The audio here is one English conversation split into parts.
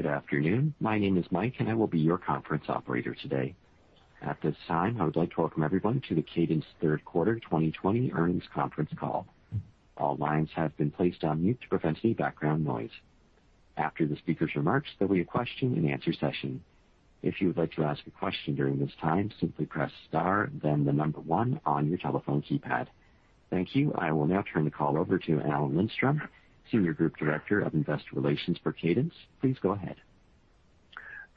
Good afternoon. My name is Mike, and I will be your conference operator today. At this time, I would like to welcome everyone to the Cadence third quarter 2020 earnings conference call. All lines have been placed on mute to prevent any background noise. After the speaker's remarks, there will be a question-and-answer session. If you would like to ask a question during this time, simply press star then the number one on your telephone keypad. Thank you. I will now turn the call over to Alan Lindstrom, Senior Group Director of Investor Relations for Cadence. Please go ahead.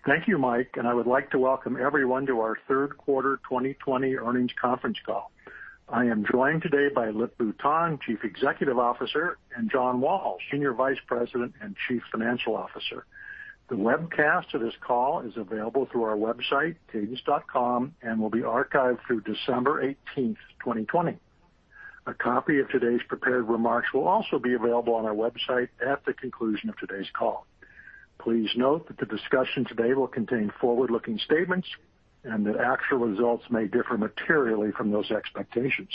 Thank you, Mike, and I would like to welcome everyone to our third quarter 2020 earnings conference call. I am joined today by Lip-Bu Tan, Chief Executive Officer, and John Wall, Senior Vice President and Chief Financial Officer. The webcast of this call is available through our website, cadence.com, and will be archived through December 18th, 2020. A copy of today's prepared remarks will also be available on our website at the conclusion of today's call. Please note that the discussion today will contain forward-looking statements and that actual results may differ materially from those expectations.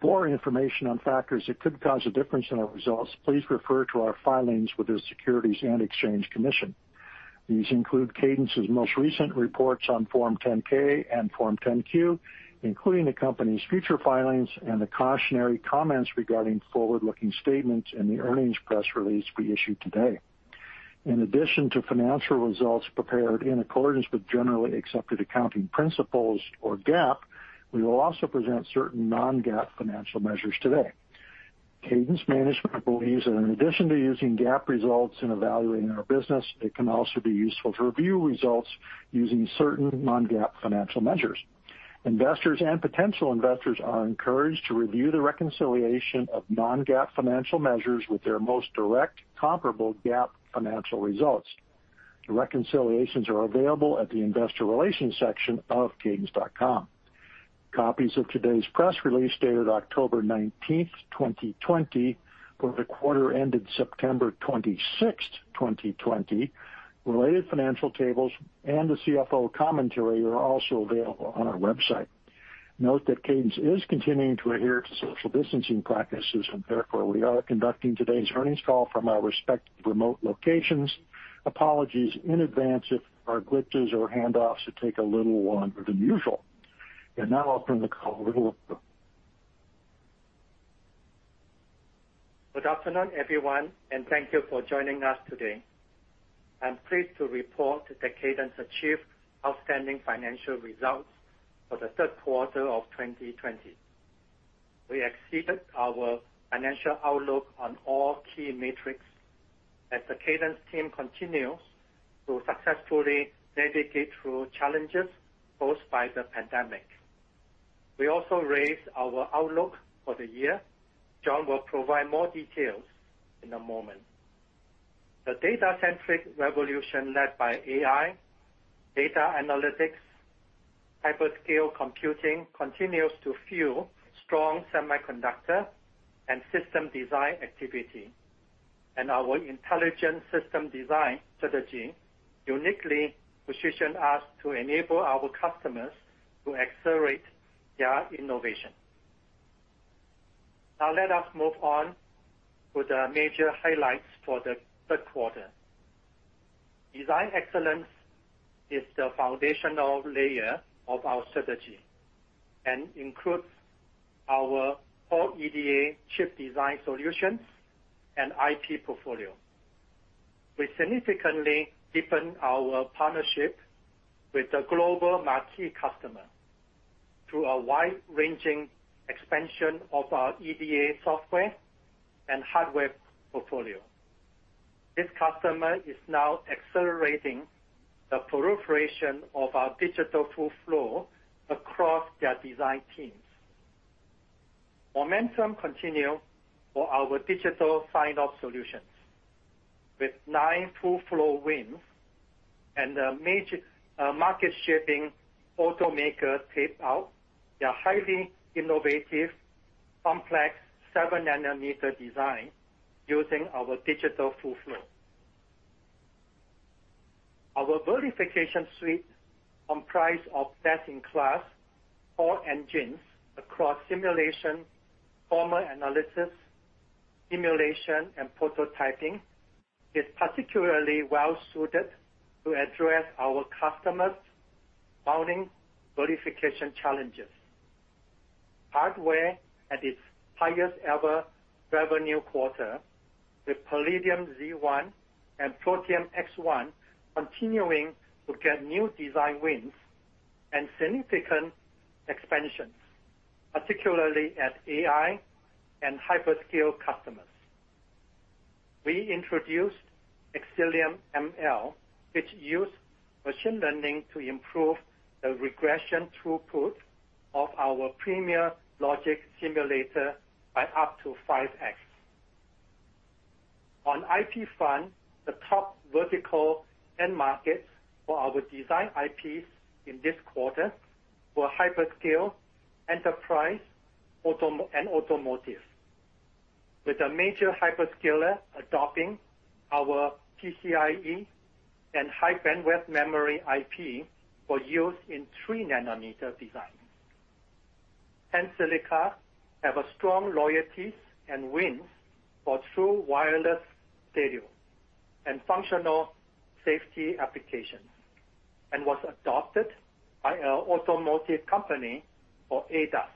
For information on factors that could cause a difference in our results, please refer to our filings with the Securities and Exchange Commission. These include Cadence's most recent reports on Form 10-K, and Form 10-Q, including the company's future filings and the cautionary comments regarding forward-looking statements in the earnings press release we issued today. In addition to financial results prepared in accordance with Generally Accepted Accounting Principles or GAAP, we will also present certain non-GAAP financial measures today. Cadence management believes that in addition to using GAAP results in evaluating our business, it can also be useful to review results using certain non-GAAP financial measures. Investors and potential investors are encouraged to review the reconciliation of non-GAAP financial measures with their most direct comparable GAAP financial results. The reconciliations are available at the investor relations section of cadence.com. Copies of today's press release, dated October 19th, 2020, for the quarter ended September 26th, 2020, related financial tables, and the CFO commentary are also available on our website. Note that Cadence is continuing to adhere to social distancing practices, therefore we are conducting today's earnings call from our respective remote locations. Apologies in advance if there are glitches or handoffs that take a little longer than usual. Now I'll turn the call over to Lip. Good afternoon, everyone, and thank you for joining us today. I'm pleased to report that Cadence achieved outstanding financial results for the third quarter of 2020. We exceeded our financial outlook on all key metrics as the Cadence team continues to successfully navigate through challenges posed by the pandemic. We also raised our outlook for the year. John will provide more details in a moment. The data-centric revolution led by AI, data analytics, hyperscale computing continues to fuel strong semiconductor and system design activity, and our intelligent system design strategy uniquely positions us to enable our customers to accelerate their innovation. Now let us move on to the major highlights for the third quarter. Design excellence is the foundational layer of our strategy and includes our full EDA chip design solutions and IP portfolio. We significantly deepened our partnership with a global marquee customer through a wide-ranging expansion of our EDA software and hardware portfolio. This customer is now accelerating the proliferation of our digital full flow across their design teams. Momentum continued for our digital sign-off solutions with nine full-flow wins and a major market-shipping automaker tape out their highly innovative, complex seven-nanometer design using our digital full flow. Our verification suite, comprised of best-in-class core engines across simulation, formal analysis, emulation, and prototyping, is particularly well-suited to address our customers' mounting verification challenges. Hardware at its highest-ever revenue quarter with Palladium Z1 and Protium X1 continuing to get new design wins and significant expansions, particularly at AI and hyperscale customers. We introduced Xcelium ML, which uses machine learning to improve the regression throughput of our premier logic simulator by up to 5X. On IP front, the top vertical end markets for our design IPs in this quarter were hyperscale, enterprise, and automotive. With a major hyperscaler adopting our PCIe and high-bandwidth memory IP for use in 3-nanometer design. Tensilica have a strong loyalties and wins for true wireless stereo and functional safety applications, and was adopted by an automotive company for ADAS.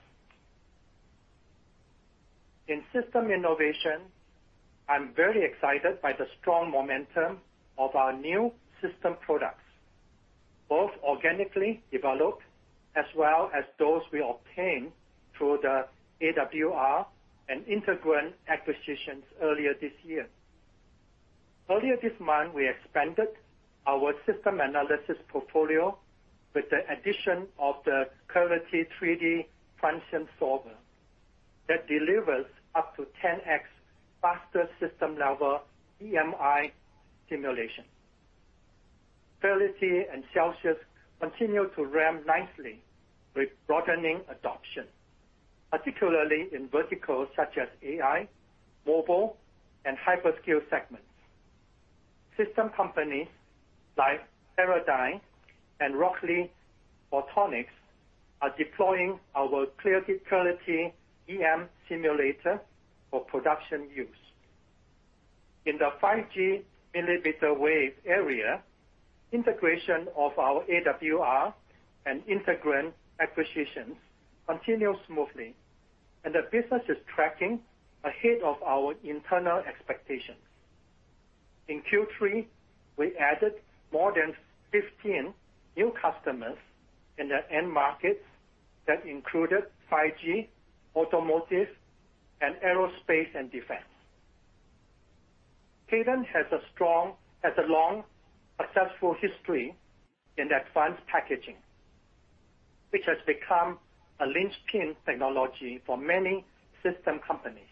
In system innovation, I'm very excited by the strong momentum of our new system products, both organically developed as well as those we obtained through the AWR and Integrand acquisitions earlier this year. Earlier this month, we expanded our system analysis portfolio with the addition of the Clarity 3D Transient Solver that delivers up to 10X faster system level EMI simulation. Clarity and Celsius continue to ramp nicely with broadening adoption, particularly in verticals such as AI, mobile, and hyperscale segments. System companies like Teradyne and Rockley Photonics are deploying our Clarity EM simulator for production use. In the 5G millimeter wave area, integration of our AWR and Integrand acquisitions continues smoothly, and the business is tracking ahead of our internal expectations. In Q3, we added more than 15 new customers in the end markets that included 5G, automotive, and aerospace and defense. Cadence has a long, successful history in advanced packaging, which has become a linchpin technology for many system companies,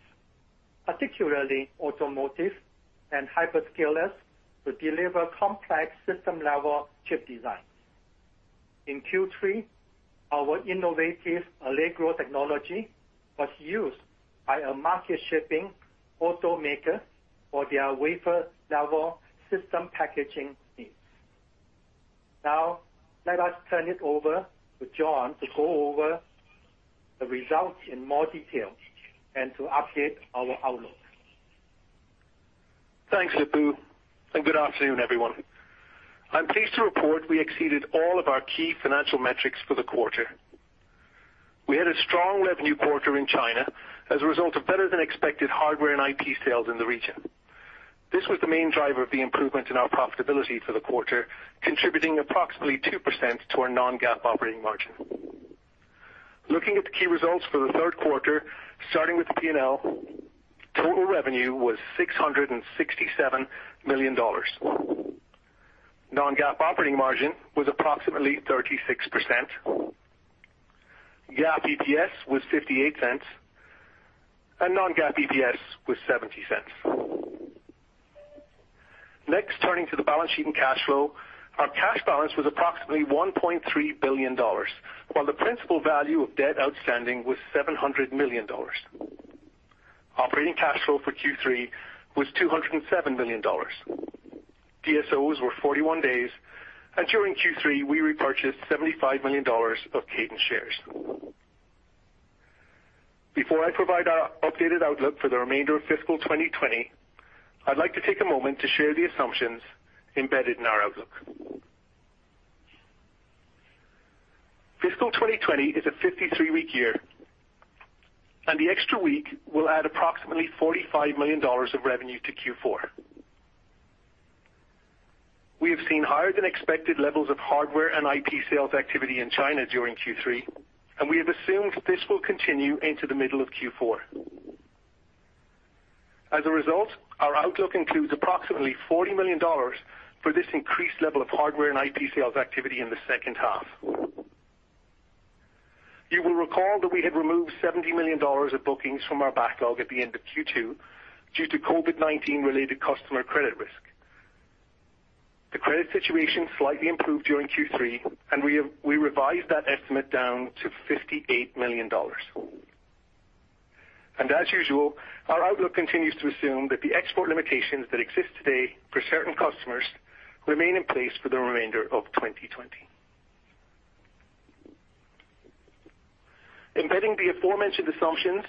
particularly automotive and hyperscalers, to deliver complex system-level chip designs. In Q3, our innovative Allegro technology was used by a market-shipping automaker for their wafer-level system packaging needs. Now, let us turn it over to John to go over the results in more detail and to update our outlook. Thanks, Lip-Bu, and good afternoon, everyone. I'm pleased to report we exceeded all of our key financial metrics for the quarter. We had a strong revenue quarter in China as a result of better than expected hardware and IP sales in the region. This was the main driver of the improvement in our profitability for the quarter, contributing approximately 2% to our non-GAAP operating margin. Looking at the key results for the third quarter, starting with the P&L, total revenue was $667 million. Non-GAAP operating margin was approximately 36%. GAAP EPS was $0.58, and non-GAAP EPS was $0.70. Next, turning to the balance sheet and cash flow. Our cash balance was approximately $1.3 billion, while the principal value of debt outstanding was $700 million. Operating cash flow for Q3 was $207 million. DSOs were 41 days, and during Q3, we repurchased $75 million of Cadence shares. Before I provide our updated outlook for the remainder of fiscal 2020, I'd like to take a moment to share the assumptions embedded in our outlook. Fiscal 2020 is a 53-week year, and the extra week will add approximately $45 million of revenue to Q4. We have seen higher-than-expected levels of hardware and IP sales activity in China during Q3, and we have assumed this will continue into the middle of Q4. As a result, our outlook includes approximately $40 million for this increased level of hardware and IP sales activity in the second half. You will recall that we had removed $70 million of bookings from our backlog at the end of Q2 due to COVID-19-related customer credit risk. The credit situation slightly improved during Q3, and we revised that estimate down to $58 million. As usual, our outlook continues to assume that the export limitations that exist today for certain customers remain in place for the remainder of 2020. Embedding the aforementioned assumptions,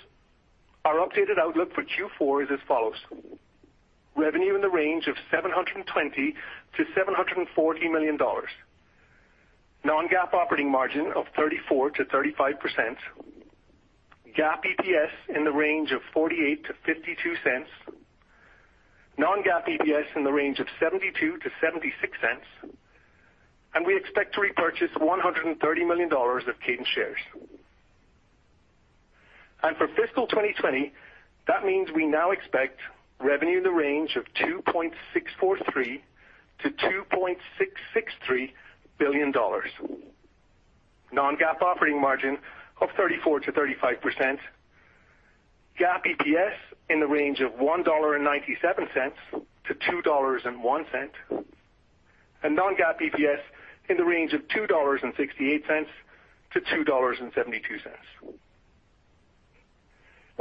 our updated outlook for Q4 is as follows: Revenue in the range of $720 million-$740 million. Non-GAAP operating margin of 34%-35%. GAAP EPS in the range of $0.48-$0.52. Non-GAAP EPS in the range of $0.72-$0.76. We expect to repurchase $130 million of Cadence shares. For fiscal 2020, that means we now expect revenue in the range of $2.643 billion-$2.663 billion. Non-GAAP operating margin of 34%-35%. GAAP EPS in the range of $1.97-$2.01. Non-GAAP EPS in the range of $2.68-$2.72.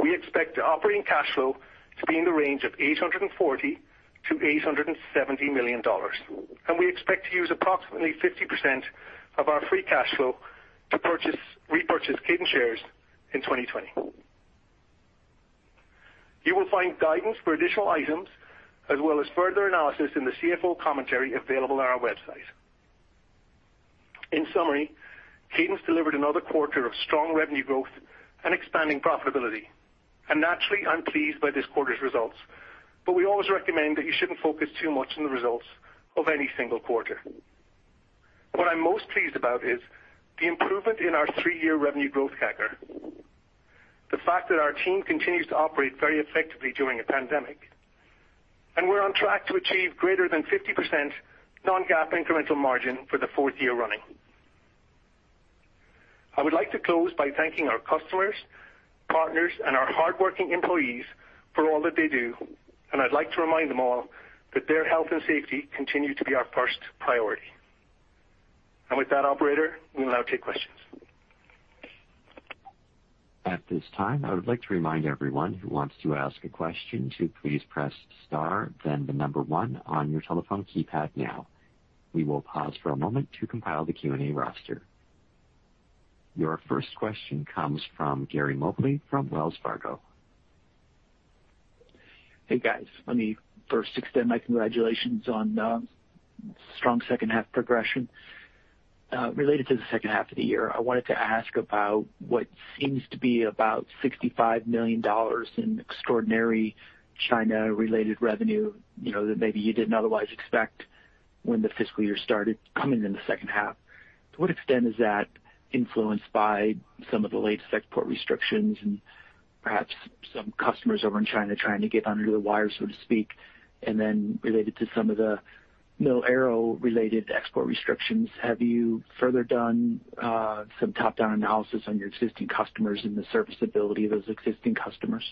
We expect operating cash flow to be in the range of $840 million-$870 million, and we expect to use approximately 50% of our free cash flow to repurchase Cadence shares in 2020. You will find guidance for additional items as well as further analysis in the CFO commentary available on our website. In summary, Cadence delivered another quarter of strong revenue growth and expanding profitability. Naturally, I'm pleased by this quarter's results. We always recommend that you shouldn't focus too much on the results of any single quarter. What I'm most pleased about is the improvement in our three-year revenue growth CAGR, the fact that our team continues to operate very effectively during a pandemic, and we're on track to achieve greater than 50% non-GAAP incremental margin for the fourth year running. I would like to close by thanking our customers, partners, and our hardworking employees for all that they do, and I'd like to remind them all that their health and safety continue to be our first priority. With that, operator, we will now take questions. At this time, I you would like to remaind everyone who wants to ask a question to please press star then number one on your telephone keypad now. We will pause for a moment to compile the Q&A roster. Your first question comes from Gary Mobley from Wells Fargo. Hey, guys. Let me first extend my congratulations on a strong second-half progression. Related to the second half of the year, I wanted to ask about what seems to be about $65 million in extraordinary China-related revenue, that maybe you didn't otherwise expect when the fiscal year started coming in the second half. To what extent is that influenced by some of the latest export restrictions and perhaps some customers over in China trying to get under the wire, so to speak? Then, related to some of the mil-aero-related export restrictions, have you further done some top-down analysis on your existing customers and the serviceability of those existing customers?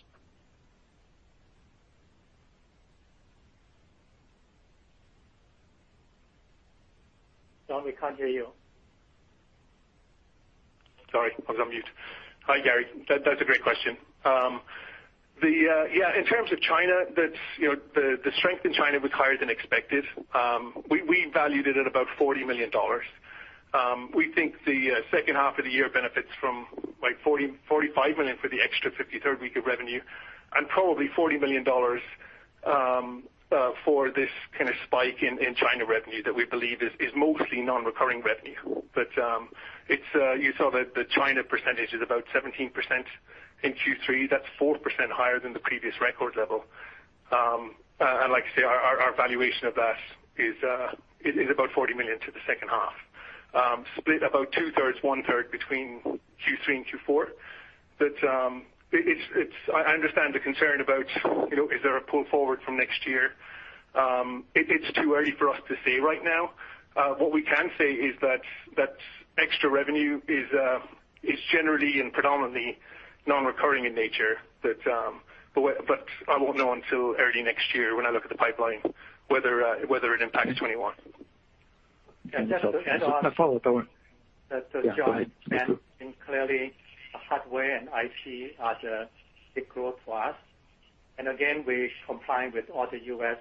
John, we can't hear you. Sorry, I was on mute. Hi, Gary. That's a great question. In terms of China, the strength in China was higher than expected. We valued it at about $40 million. We think the second half of the year benefits from $45 million for the extra 53rd week of revenue and probably $40 million for this kind of spike in China revenue that we believe is mostly non-recurring revenue. You saw that the China percentage is about 17% in Q3. That's 4% higher than the previous record level. Like I say, our valuation of that is about $40 million to the second half. Split about two-thirds, one-third between Q3 and Q4. I understand the concern about, is there a pull forward from next year? It's too early for us to say right now. What we can say is that extra revenue is generally and predominantly non-recurring in nature, but I won't know until early next year when I look at the pipeline whether it impacts 2021. And to add on- A follow-up, Owen. John, clearly, hardware and IP are the big growth for us. Again, we comply with all the U.S.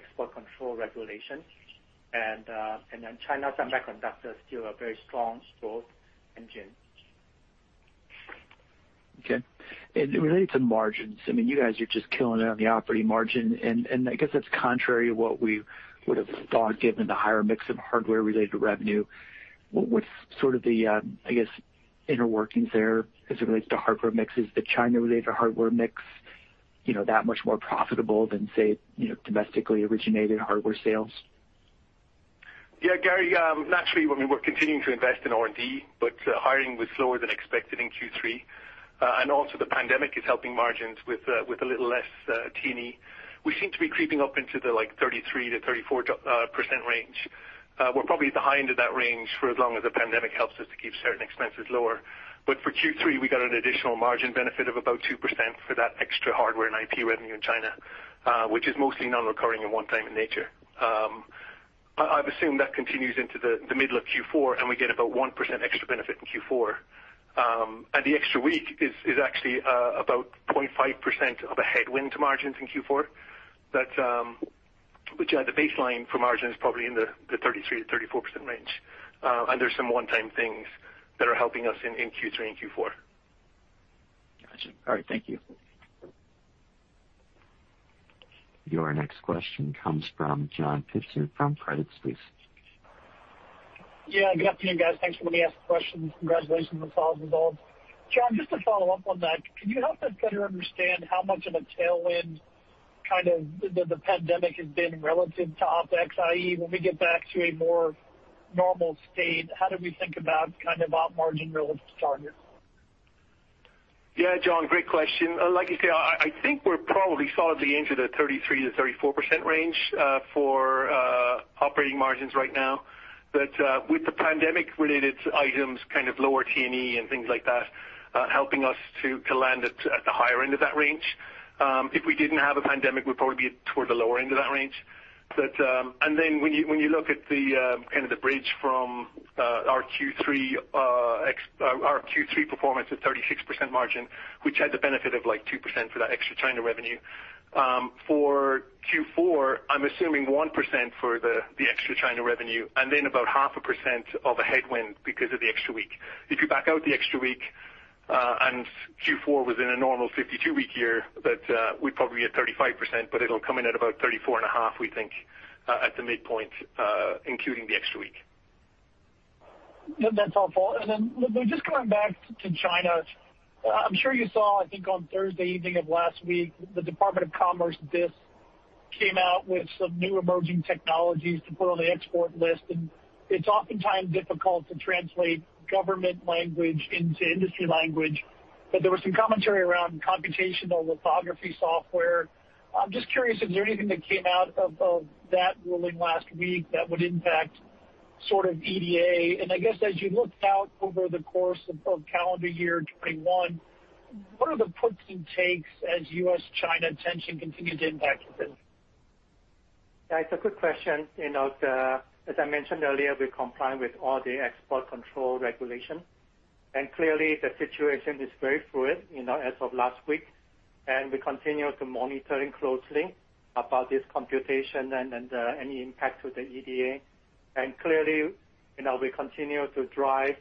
export control regulations. Then China semiconductor is still a very strong growth engine. Okay. Related to margins, you guys are just killing it on the operating margin, and I guess that's contrary to what we would've thought, given the higher mix of hardware-related revenue. What's sort of the, I guess, inner workings there as it relates to hardware mix? Is the China-related hardware mix that much more profitable than, say, domestically originated hardware sales? Yeah, Gary, naturally, we're continuing to invest in R&D, but hiring was slower than expected in Q3. Also, the pandemic is helping margins with a little less T&E. We seem to be creeping up into the 33%-34% range. We're probably at the high end of that range for as long as the pandemic helps us to keep certain expenses lower. For Q3, we got an additional margin benefit of about 2% for that extra hardware and IP revenue in China, which is mostly non-recurring and one-time in nature. I've assumed that continues into the middle of Q4, and we get about 1% extra benefit in Q4. The extra week is actually about 0.5% of a headwind to margins in Q4, which the baseline for margin is probably in the 33%-34% range. There's some one-time things that are helping us in Q3 and Q4. Got you. All right, thank you. Your next question comes from John Pitzer from Credit Suisse. Good afternoon, guys. Thanks for letting me ask the question. Congratulations on the solid results. John, just to follow up on that, can you help us better understand how much of a tailwind kind of the pandemic has been relative to OpEx, i.e., when we get back to a more normal state, how do we think about kind of op margin relative to target? John, great question. Like you say, I think we're probably solidly into the 33%-34% range for operating margins right now. With the pandemic-related items, kind of lower T&E and things like that, helping us to land at the higher end of that range. If we didn't have a pandemic, we'd probably be toward the lower end of that range. When you look at the bridge from our Q3 performance at 36% margin, which had the benefit of 2% for that extra China revenue. For Q4, I'm assuming 1% for the extra China revenue, and then about 0.5% of a headwind because of the extra week. If you back out the extra week, and Q4 was in a normal 52-week year, that we'd probably be at 35%, but it'll come in at about 34.5%, we think, at the midpoint, including the extra week. That's helpful. Then, just coming back to China, I'm sure you saw, I think, on Thursday evening of last week, the Department of Commerce came out with some new emerging technologies to put on the export list, and it's oftentimes difficult to translate government language into industry language. There was some commentary around computational lithography software. I'm just curious, is there anything that came out of that ruling last week that would impact sort of EDA? I guess as you look out over the course of calendar year 2021, what are the puts and takes as U.S.-China tension continues to impact the business? Yeah, it's a good question. As I mentioned earlier, we're complying with all the export control regulations. Clearly the situation is very fluid as of last week, and we continue to monitor it closely about this computation and any impact to the EDA. Clearly, we continue to drive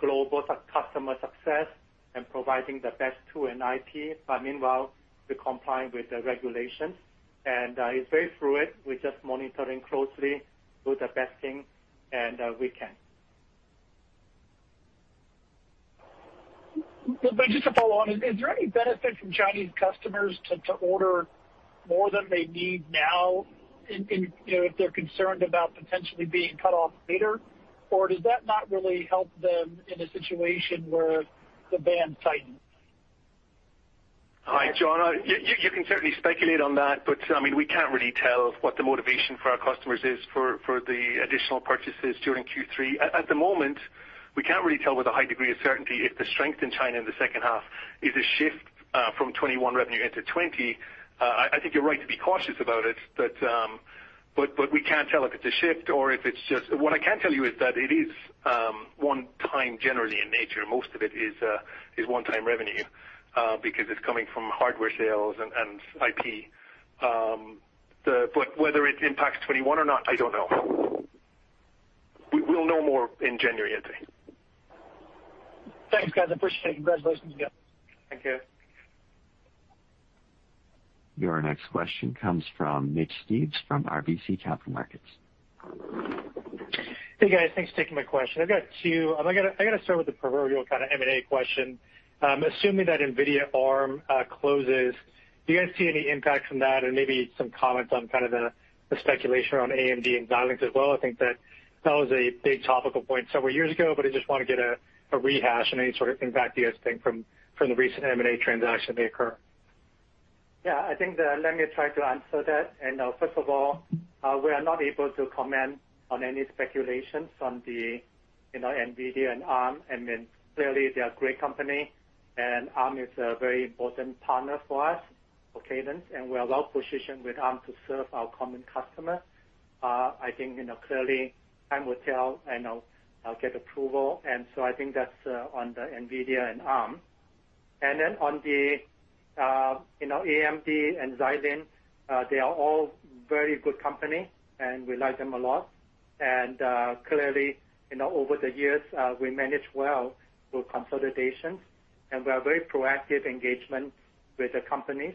global customer success and providing the best tool and IP. Meanwhile, we're complying with the regulation, and it's very fluid. We're just monitoring closely, do the best thing, and we can. Just to follow on, is there any benefit from Chinese customers to order more than they need now if they're concerned about potentially being cut off later? Does that not really help them in a situation where the ban tightens? Hi, John. You can certainly speculate on that, but we can't really tell what the motivation for our customers is for the additional purchases during Q3. At the moment, we can't really tell with a high degree of certainty if the strength in China in the second half is a shift from 2021 revenue into 2020. I think you're right to be cautious about it, but we can't tell if it's a shift. What I can tell you is that it is one-time generally in nature. Most of it is one-time revenue, because it's coming from hardware sales and IP. Whether it impacts 2021 or not, I don't know. We'll know more in January, I think. Thanks, guys, I appreciate it. Congratulations again. Thank you. Your next question comes from Mitch Steves from RBC Capital Markets. Hey, guys. Thanks for taking my question. I've got two. I've got to start with the proverbial kind of M&A question. Assuming that NVIDIA Arm closes, do you guys see any impact from that? Maybe some comments on kind of the speculation around AMD and Xilinx as well. I think that was a big topical point several years ago, I just want to get a rehash on any sort of impact you guys think from the recent M&A transaction may occur. Let me try to answer that. First of all, we are not able to comment on any speculation from the NVIDIA and Arm, and then clearly they are a great company, and Arm is a very important partner for us, for Cadence, and we are well-positioned with Arm to serve our common customer. Clearly, time will tell and they'll get approval. That's on the NVIDIA and Arm. On the AMD and Xilinx, they are all very good company, and we like them a lot. Clearly, over the years, we manage well through consolidation, and we are very proactive engagement with the companies.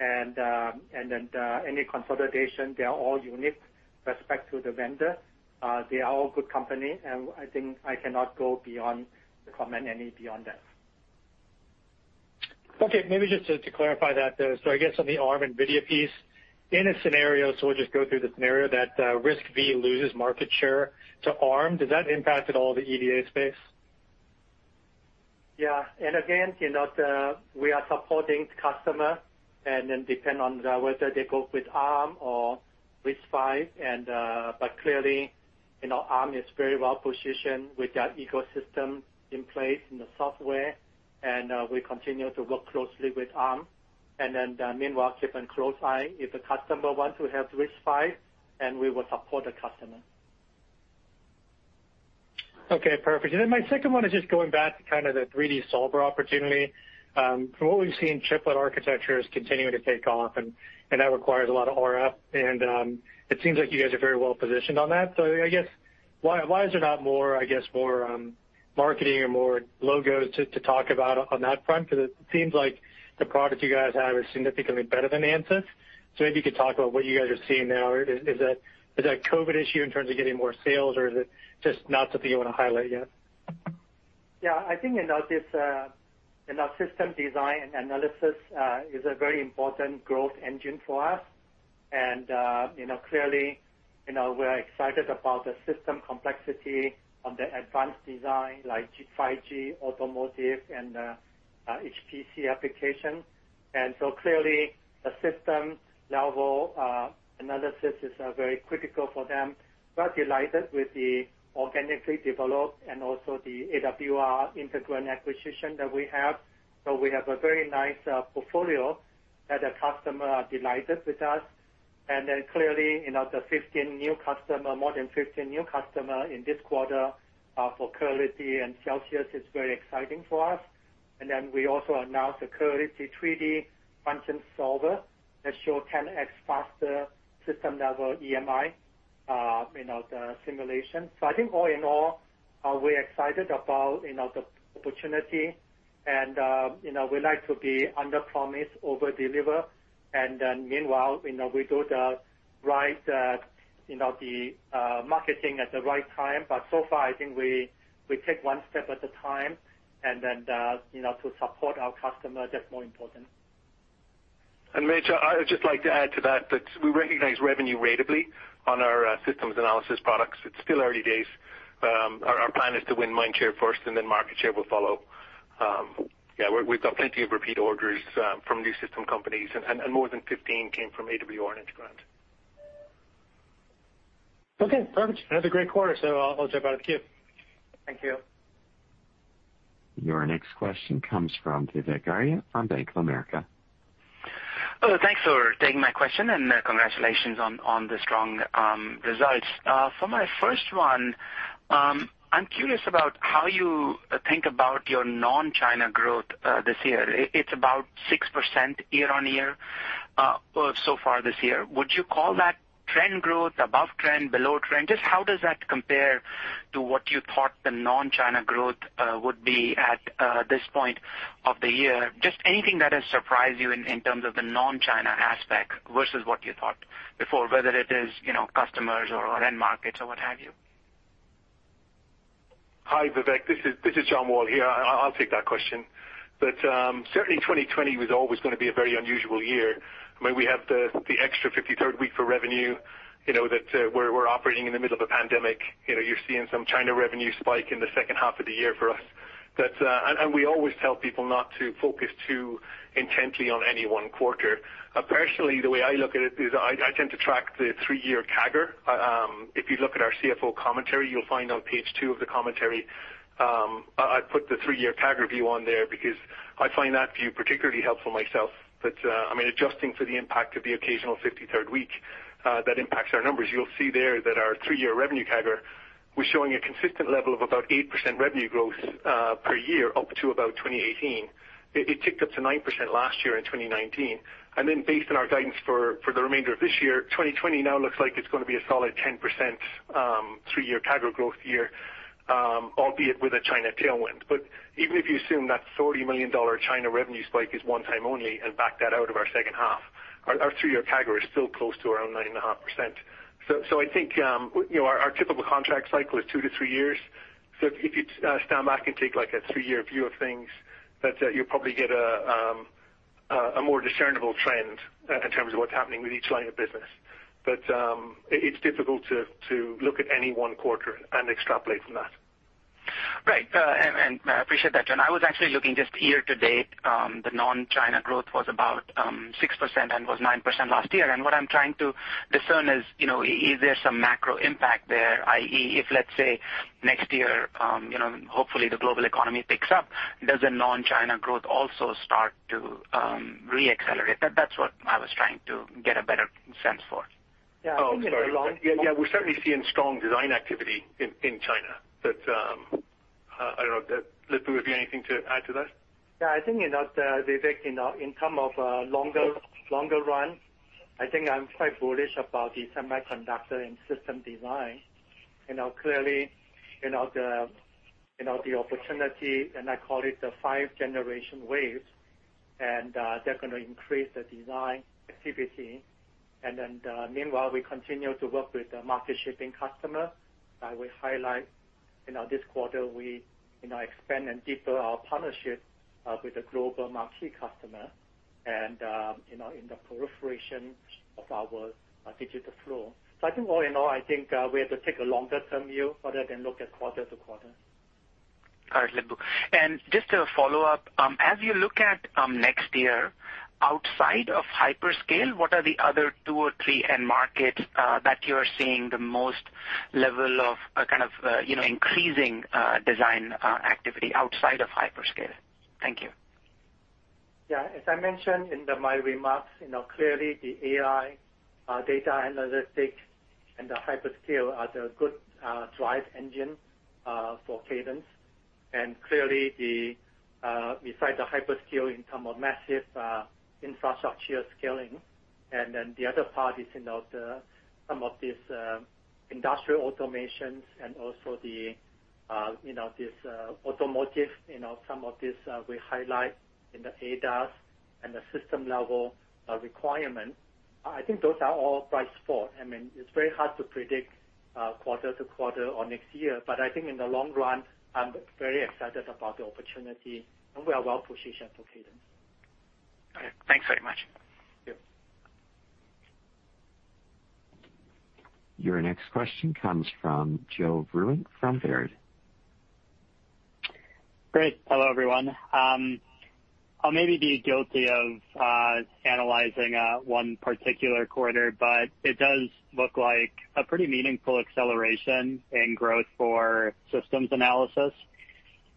Any consolidation, they are all unique with respect to the vendor. They are all good company, and I cannot go beyond to comment any beyond that. Okay, maybe just to clarify that, though. I guess on the Arm NVIDIA piece, in a scenario, so we'll just go through the scenario that RISC-V loses market share to Arm, does that impact at all the EDA space? Yeah. Again, we are supporting the customer, and then depending on whether they go with Arm or RISC-V. Clearly, Arm is very well-positioned with their ecosystem in place in the software, and we continue to work closely with Arm. Meanwhile, keep a close eye if the customer wants to have RISC-V, and we will support the customer. Okay, perfect. My second one is just going back to kind of the 3D solver opportunity. From what we've seen, chiplet architecture is continuing to take off, and that requires a lot of RF. It seems like you guys are very well-positioned on that. I guess, why is there not more marketing or more logos to talk about on that front? It seems like the product you guys have is significantly better than ANSYS. Maybe you could talk about what you guys are seeing there. Is that a COVID issue in terms of getting more sales, or is it just not something you want to highlight yet? Yeah, I think system design and analysis is a very important growth engine for us. Clearly, we're excited about the system complexity of the advanced design like 5G, automotive, and HPC application. Clearly, the system level analysis is very critical for them. We are delighted with the organically developed and also the AWR Integrand acquisition that we have. We have a very nice portfolio that the customer are delighted with us. Clearly, the more than 15 new customer in this quarter for Clarity and Celsius is very exciting for us. We also announced the Clarity 3D Transient Solver that show 10x faster system level EMI, the simulation. I think all in all, we're excited about the opportunity and we like to be under promise, over deliver. Meanwhile, we do the marketing at the right time. So far, I think we take one step at a time and then to support our customer, that's more important. Mitch, I would just like to add to that we recognize revenue ratably on our systems analysis products. It's still early days. Our plan is to win mind share first, market share will follow. Yeah, we've got plenty of repeat orders from new system companies, and more than 15 came from AWR Integrand. Okay, perfect. Another great quarter. I'll jump out of the queue. Thank you. Your next question comes from Vivek Arya from Bank of America. Hello. Thanks for taking my question and congratulations on the strong results. For my first one, I'm curious about how you think about your non-China growth this year. It's about 6% year-over-year so far this year. Would you call that trend growth, above trend, below trend? Just how does that compare to what you thought the non-China growth would be at this point of the year? Just anything that has surprised you in terms of the non-China aspect versus what you thought before, whether it is customers or end markets or what have you. Hi, Vivek. This is John Wall here. I'll take that question. Certainly, 2020 was always going to be a very unusual year. I mean, we have the extra 53rd week for revenue, that we're operating in the middle of a pandemic. You're seeing some China revenue spike in the second half of the year for us. We always tell people not to focus too intently on any one quarter. Personally, the way I look at it is I tend to track the three-year CAGR. If you look at our CFO commentary, you'll find on page two of the commentary, I put the three-year CAGR view on there because I find that view particularly helpful myself. I mean, adjusting for the impact of the occasional 53rd week, that impacts our numbers. You'll see there that our three year revenue CAGR was showing a consistent level of about 8% revenue growth per year up to about 2018. It ticked up to 9% last year in 2019. Based on our guidance for the remainder of this year, 2020 now looks like it's going to be a solid 10% three year CAGR growth year, albeit with a China tailwind. Even if you assume that $30 million China revenue spike is a one-time only and back that out of our second half, our three year CAGR is still close to around 9.5%. I think, our typical contract cycle is two to three years. If you stand back and take a three year view of things, that you'll probably get a more discernible trend in terms of what's happening with each line of business. It's difficult to look at any one quarter and extrapolate from that. Right. I appreciate that, John. I was actually looking just year-to-date, the non-China growth was about 6% and was 9% last year. What I'm trying to discern is there some macro impact there, i.e., if let's say next year, hopefully the global economy picks up, does the non-China growth also start to re-accelerate? That's what I was trying to get a better sense for. Yeah, I think in the long- Oh, sorry. Yeah, we're certainly seeing strong design activity in China. I don't know. Lip-Bu, have you anything to add to that? Yeah, I think, Vivek, in term of longer run, I think I'm quite bullish about the semiconductor and system design. Clearly, the opportunity, and I call it the five generation wave, and definitely increase the design activity. Meanwhile, we continue to work with the market shaping customer. I will highlight this quarter, we expand and deeper our partnership with the global marquee customer and in the proliferation of our digital flow. I think all in all, I think we have to take a longer-term view rather than look at quarter-to-quarter. Got it, Lip-Bu. Just a follow-up. As you look at next year, outside of hyperscale, what are the other two or three end markets that you are seeing the most level of increasing design activity outside of hyperscale? Thank you. Yeah. As I mentioned in my remarks, clearly the AI data analytics and the hyperscale are the good drive engine for Cadence. Clearly, besides the hyperscale in term of massive infrastructure scaling, and then the other part is some of these industrial automations and also this automotive, some of this we highlight in the ADAS and the system level requirement. I think those are all bright spot. I mean, it's very hard to predict quarter to quarter or next year, but I think in the long run, I'm very excited about the opportunity and we are well-positioned for Cadence. Okay. Thanks very much. Yeah. Your next question comes from Joe Vruwink from Baird. Great. Hello, everyone. I'll maybe be guilty of analyzing one particular quarter, but does look like a pretty meaningful acceleration in growth for systems analysis.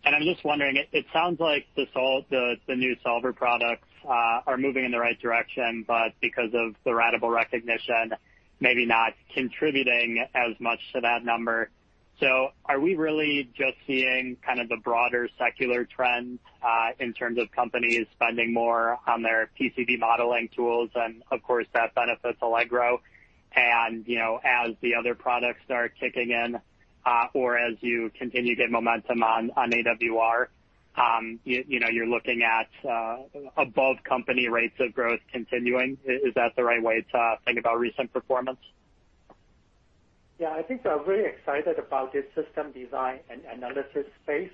I'm just wondering, it sounds like the new solver products are moving in the right direction, because of the ratable recognition, maybe not contributing as much to that number. Are we really just seeing kind of the broader secular trends, in terms of companies spending more on their PCB modeling tools, and of course, that benefits Allegro? As the other products start kicking in, or as you continue to get momentum on AWR, you're looking at above company rates of growth continuing. Is that the right way to think about recent performance? Yeah, I think we are very excited about this system design and analysis space.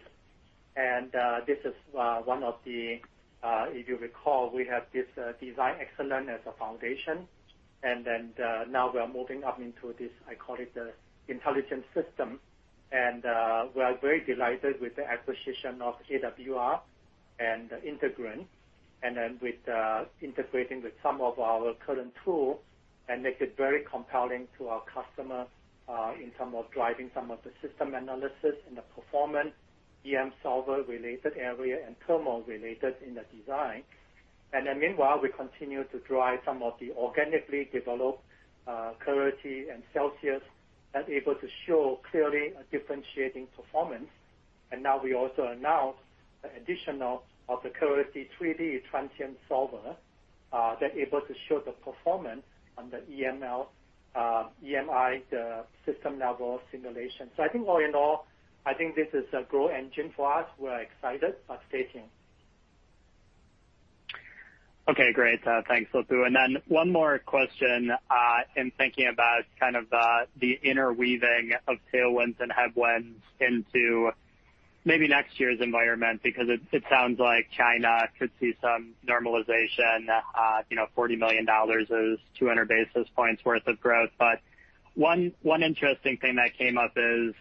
If you recall, we have this design excellence as a foundation, and then, now we are moving up into this, I call it, the intelligence system. We are very delighted with the acquisition of AWR and Integrand, and then with integrating with some of our current tools and make it very compelling to our customer, in terms of driving some of the system analysis in the performance, EM solver related area, and thermal related in the design. Meanwhile, we continue to drive some of the organically developed Clarity and Celsius that are able to show clearly a differentiating performance. We also announced the addition of the Clarity 3D Transient Solver, that able to show the performance on the EMI, the system level simulation. I think all in all, I think this is a growth engine for us. We're excited at taking. Okay, great. Thanks, Liu. One more question, in thinking about kind of the interweaving of tailwinds and headwinds into maybe next year's environment, because it sounds like China could see some normalization, $40 million is 200 basis points worth of growth. One interesting thing that came up is,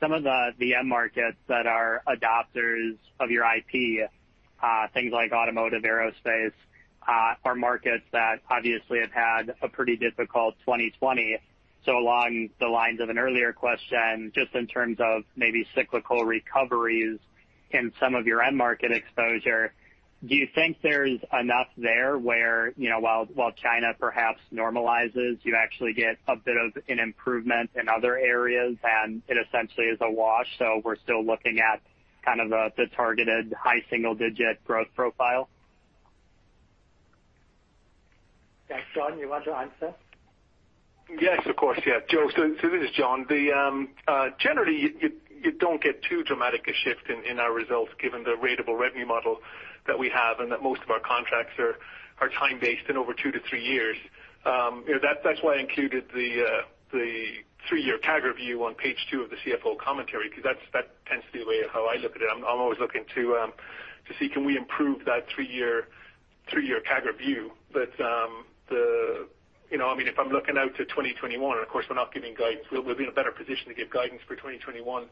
some of the end markets that are adopters of your IP, things like automotive, aerospace, are markets that obviously have had a pretty difficult 2020. Along the lines of an earlier question, just in terms of maybe cyclical recoveries in some of your end market exposure, do you think there's enough there where, while China perhaps normalizes, you actually get a bit of an improvement in other areas, and it essentially is a wash, so we're still looking at kind of the targeted high single-digit growth profile? Yes. John, you want to answer? Yes, of course. Yeah, Joe, this is John. Generally, you don't get too dramatic a shift in our results given the ratable revenue model that we have, and that most of our contracts are time-based and over two to three years. That's why I included the three-year CAGR view on page two of the CFO commentary, because that tends to be the way of how I look at it. I'm always looking to see can we improve that three-year CAGR view. If I'm looking out to 2021, and of course, we're not giving guidance, we'll be in a better position to give guidance for 2021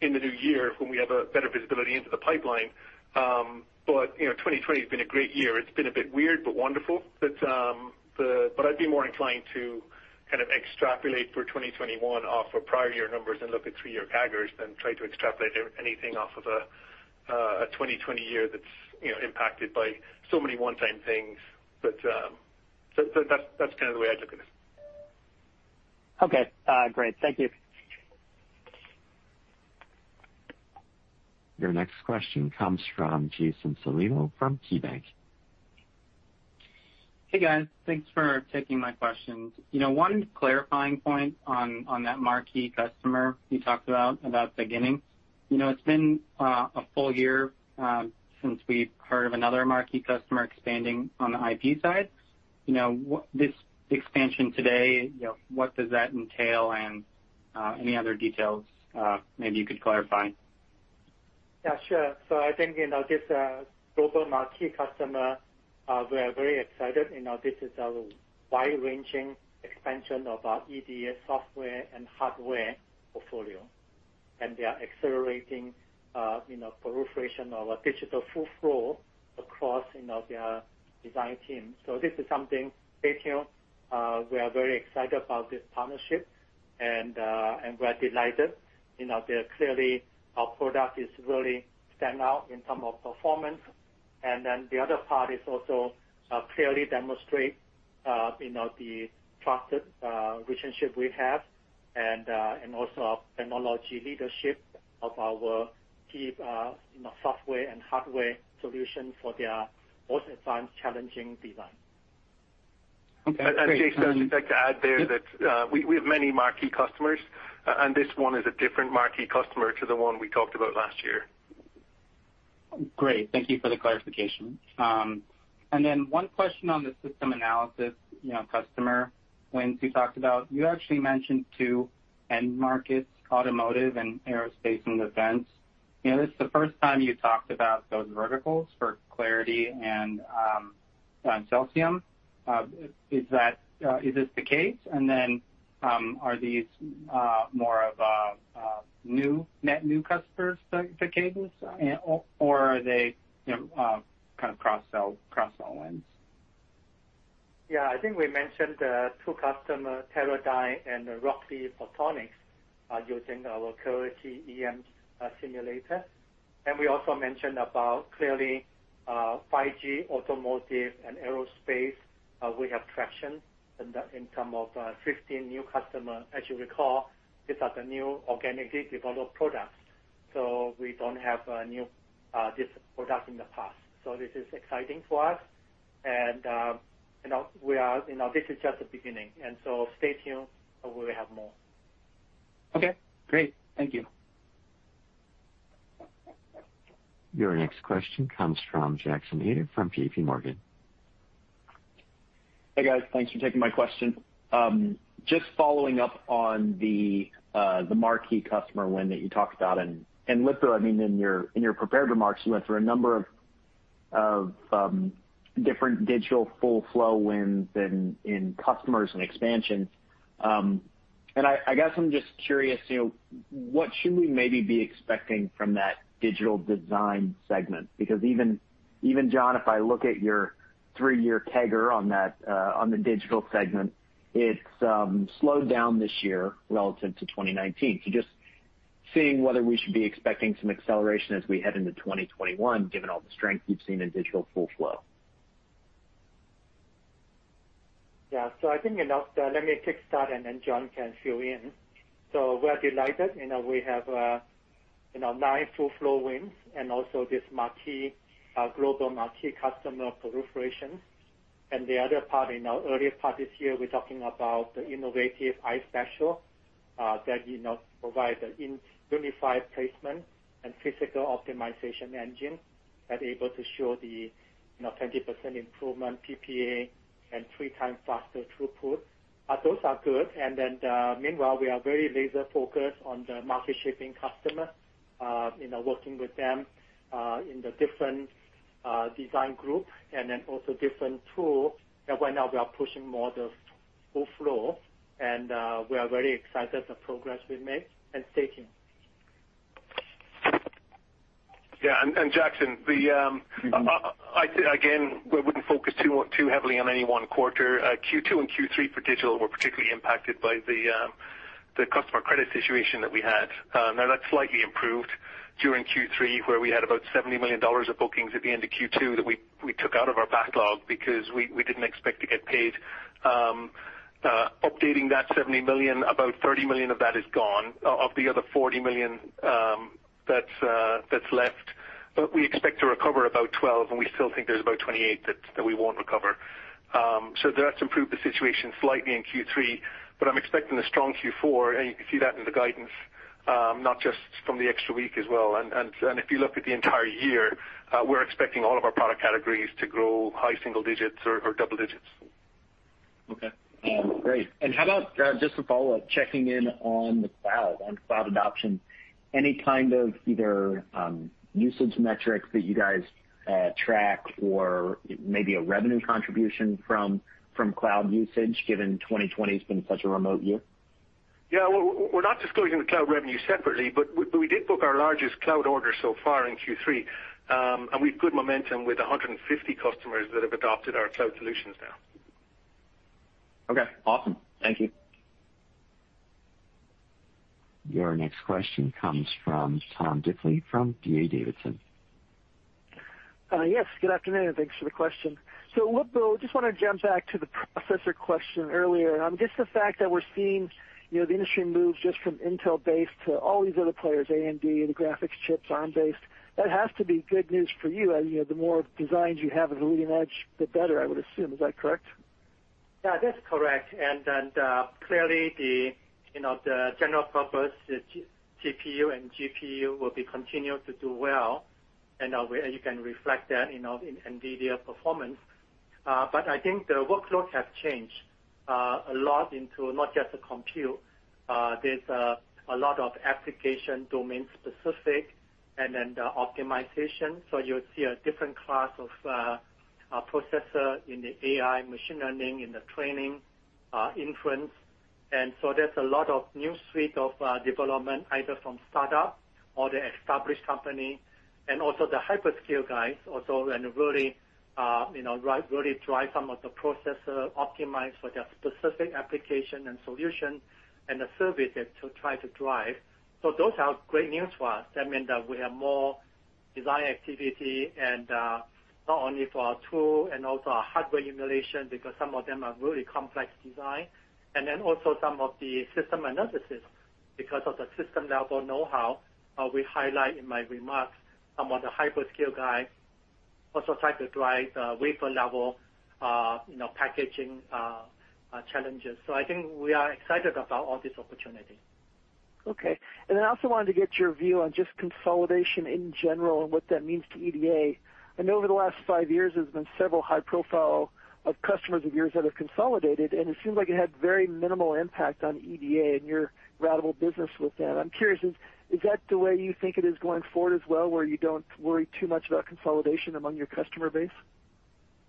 in the new year when we have a better visibility into the pipeline. 2020 has been a great year. It's been a bit weird but wonderful. I'd be more inclined to kind of extrapolate for 2021 off of prior year numbers and look at three year CAGRs than try to extrapolate anything off of a 2020 year that's impacted by so many one-time things. That's kind of the way I'd look at it. Okay. Great. Thank you. Your next question comes from Jason Celino from KeyBanc. Hey, guys. Thanks for taking my questions. One clarifying point on that marquee customer you talked about beginning. It's been a full year since we've heard of another marquee customer expanding on the IP side. This expansion today, what does that entail, and any other details, maybe you could clarify? Yeah, sure. I think this global marquee customer, we are very excited. This is a wide-ranging expansion of our EDA software and hardware portfolio. They are accelerating proliferation of a digital full flow across their design team. This is something big here. We are very excited about this partnership, and we are delighted. Clearly, our product really stands out in terms of performance. The other part is also clearly demonstrate the trusted relationship we have and also our technology leadership of our key software and hardware solution for their most advanced challenging design. Okay. Jason, I'd just like to add there that we have many marquee customers, and this one is a different marquee customer to the one we talked about last year. Great. Thank you for the clarification. One question on the system analysis customer wins you talked about. You actually mentioned two end markets, automotive and aerospace and defense. This is the first time you talked about those verticals for Clarity and on Celsius. Is this the case? Are these more of net new customers to Cadence, or are they kind of cross-sell wins? Yeah, I think we mentioned the two customers, Teradyne and the Rockley Photonics, are using our Clarity EM simulator. We also mentioned about Clarity 5G, automotive, and aerospace. We have traction in term of 15 new customer. As you recall, these are the new organically developed products. We don't have this product in the past. This is exciting for us and this is just the beginning. Stay tuned and we will have more. Okay, great. Thank you. Your next question comes from Jackson Ader, from JPMorgan. Hey, guys. Thanks for taking my question. Just following up on the marquee customer win that you talked about and, Lip-Bu, in your prepared remarks, you went through a number of different digital full flow wins in customers and expansions. I guess I'm just curious, what should we maybe be expecting from that digital design segment? Because even, John, if I look at your three year CAGR on the digital segment, it's slowed down this year relative to 2019. Just seeing whether we should be expecting some acceleration as we head into 2021, given all the strength we've seen in digital full flow. Yeah. I think, let me kick start and then John can fill in. We're delighted. We have nine full flow wins and also this global marquee customer proliferation. The other part, in our earlier part this year, we're talking about the innovative iSpatial that provide the unified placement and physical optimization engine that able to show the 20% improvement PPA and three times faster throughput. Those are good. Meanwhile, we are very laser-focused on the market-shaping customer, working with them, in the different design group and then also different tool that right now we are pushing more the full flow and, we are very excited the progress we've made and stay tuned. Yeah, Jackson, again, we wouldn't focus too heavily on any one quarter. Q2 and Q3 for digital were particularly impacted by the customer credit situation that we had. Now that's slightly improved during Q3, where we had about $70 million of bookings at the end of Q2 that we took out of our backlog because we didn't expect to get paid. Updating that $70 million, about $30 million of that is gone. Of the other $40 million that's left, we expect to recover about $12, and we still think there's about $28 that we won't recover. That's improved the situation slightly in Q3, but I'm expecting a strong Q4, and you can see that in the guidance, not just from the extra week as well. If you look at the entire year, we're expecting all of our product categories to grow high single digits or double digits. Okay. Great. How about, just a follow-up, checking in on the cloud, on cloud adoption, any kind of either usage metrics that you guys track or maybe a revenue contribution from cloud usage, given 2020's been such a remote year? Yeah. We're not disclosing the cloud revenue separately, but we did book our largest cloud order so far in Q3. We've good momentum with 150 customers that have adopted our cloud solutions now. Okay. Awesome. Thank you. Your next question comes from Tom Diffely from D.A. Davidson. Yes, good afternoon, and thanks for the question. Lip-Bu, just want to jump back to the processor question earlier. Just the fact that we're seeing the industry move just from Intel-based to all these other players, AMD, the graphics chips, Arm-based, that has to be good news for you. The more designs you have at the leading edge, the better, I would assume. Is that correct? Yeah, that's correct. Clearly, the general purpose GPU and GPU will continue to do well, and you can reflect that in NVIDIA performance. I think the workloads have changed a lot into not just the compute. There's a lot of application domain specific, and then the optimization. You'll see a different class of processor in the AI machine learning, in the training influence. There's a lot of new suite of development, either from startup or the established company and also the hyperscale guys also, and really drive some of the processor optimized for their specific application and solution and the services to try to drive. Those are great news for us. That mean that we have more design activity and, not only for our tool and also our hardware emulation, because some of them are really complex design, and then also some of the system analysis because of the system level knowhow. We highlight in my remarks some of the hyperscale guys also try to drive wafer-level packaging challenges. I think we are excited about all this opportunity. Okay. I also wanted to get your view on just consolidation in general and what that means to EDA. I know over the last five years, there's been several high-profile customers of yours that have consolidated. It seems like it had very minimal impact on EDA and your ratable business with them. I'm curious, is that the way you think it is going forward as well, where you don't worry too much about consolidation among your customer base?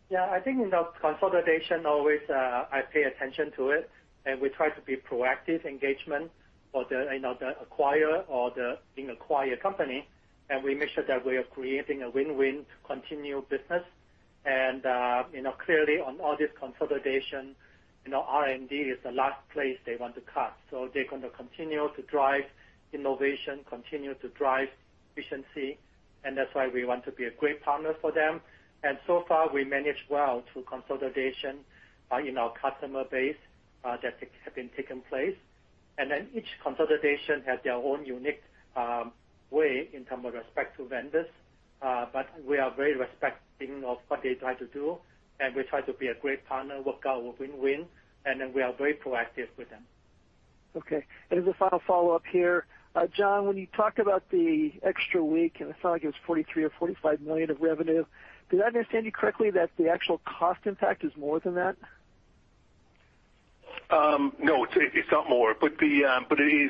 Yeah, I think consolidation always, I pay attention to it, and we try to be proactive engagement for the acquire or the being acquired company. We make sure that we are creating a win-win to continue business. Clearly on all this consolidation, R&D is the last place they want to cut. They're going to continue to drive innovation, continue to drive efficiency, and that's why we want to be a great partner for them. So far, we managed well through consolidation in our customer base that have been taking place. Then each consolidation has their own unique way in terms of respect to vendors. We are very respecting of what they try to do, and we try to be a great partner, work out a win-win, and then we are very proactive with them. Okay. As a final follow-up here, John, when you talk about the extra week, and I saw it gives $43 million or $45 million of revenue, did I understand you correctly that the actual cost impact is more than that? No, it's not more, it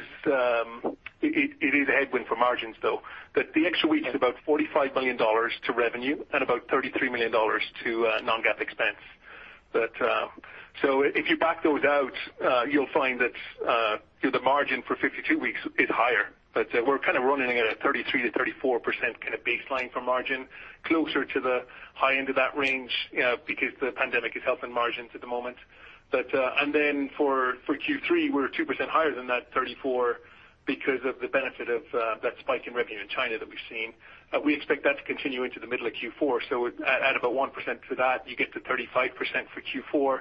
is a headwind for margins, though. The extra week is about $45 million to revenue and about $33 million to non-GAAP expense. If you back those out, you'll find that the margin for 52 weeks is higher, but we're kind of running at a 33%-34% kind of baseline for margin, closer to the high end of that range, because the pandemic is helping margins at the moment. For Q3, we're 2% higher than that 34% because of the benefit of that spike in revenue in China that we've seen. We expect that to continue into the middle of Q4. Add about 1% to that, you get to 35% for Q4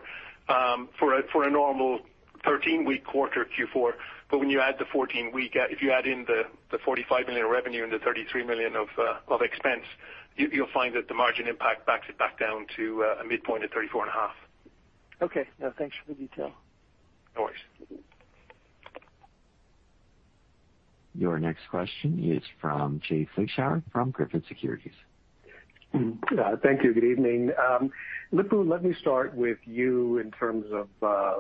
for a normal 13-week quarter Q4. When you add the 14-week, if you add in the $45 million revenue and the $33 million of expense, you'll find that the margin impact backs it back down to a midpoint of 34 and a half. Okay. No, thanks for the detail. No worries. Your next question is from Jay Vleeschhouwer from Griffin Securities. Thank you. Good evening. Lip-Bu, let me start with you in terms of a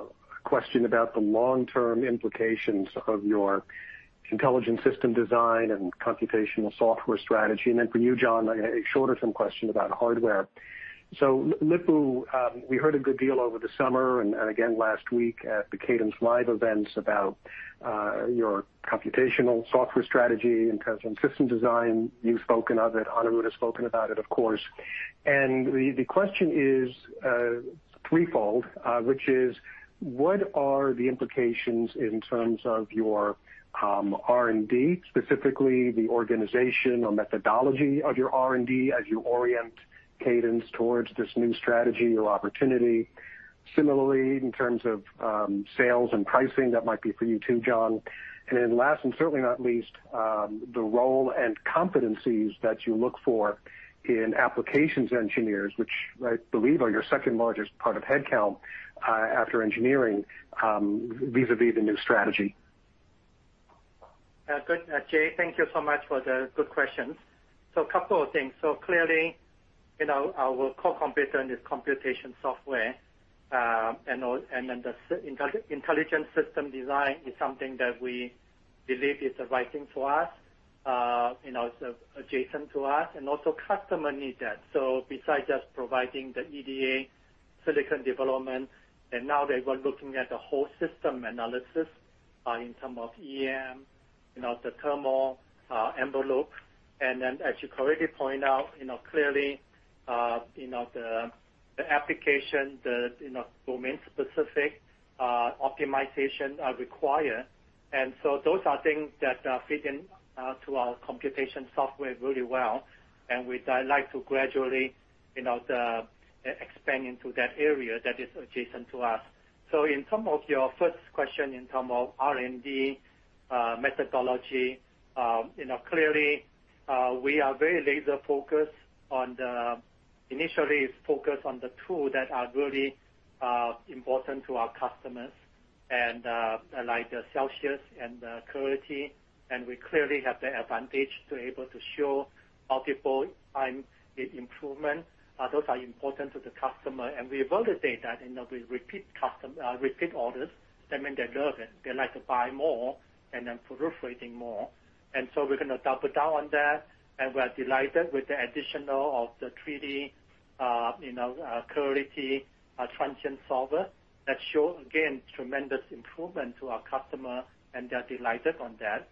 question about the long-term implications of your intelligent system design and computational software strategy, and then, for you, John, a shorter-term question about hardware. Lip-Bu, we heard a good deal over the summer and again last week at the CadenceLIVE events about your computational software strategy in terms of system design. You've spoken of it. Anirudh has spoken about it, of course. The question is threefold, which is what are the implications in terms of your R&D, specifically the organization or methodology of your R&D as you orient Cadence towards this new strategy or opportunity? Similarly, in terms of sales and pricing, that might be for you too, John. Last, and certainly not least, the role and competencies that you look for in applications engineers, which I believe are your second-largest part of headcount after engineering, vis-à-vis the new strategy. Good. Jay, thank you so much for the good questions. A couple of things. Clearly, our core competence is computation software; the intelligent system design is something that we believe is the right thing for us. It's adjacent to us, customer need that. Besides just providing the EDA silicon development, they were looking at the whole system analysis in term of EM, the thermal envelope. As you correctly point out, clearly, the application, the domain-specific optimization are required. Those are things that fit in to our computation software really well, we'd like to gradually expand into that area that is adjacent to us. In term of your first question, in term of R&D methodology, clearly, we are very laser-focused on initially focused on the two that are really important to our customers, like the Celsius and the Clarity, and we clearly have the advantage to able to show multiple times the improvement. Those are important to the customer, and we validate that, and we repeat orders. That means they love it. They like to buy more and then proliferating more. We're going to double down on that, and we're delighted with the additional of the Clarity 3D Transient Solver, that show, again, tremendous improvement to our customer, and they are delighted on that.